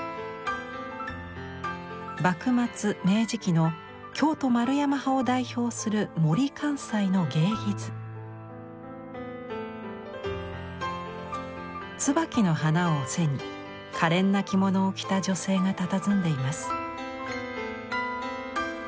幕末明治期の京都円山派を代表するツバキの花を背にかれんな着物を着た女性がたたずんでいます。